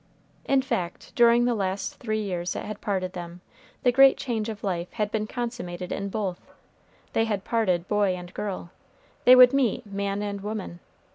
In fact, during the last three years that had parted them, the great change of life had been consummated in both. They had parted boy and girl; they would meet man and woman.